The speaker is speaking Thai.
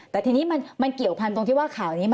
แต่ทีนี้มันเกี่ยวพันธุ์ตรงที่ว่าข่าวนี้